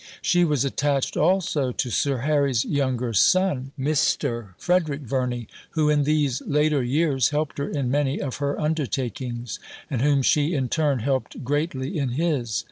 She was attached also to Sir Harry's younger son, Mr. Frederick Verney, who in these later years helped her in many of her undertakings, and whom she in turn helped greatly in his.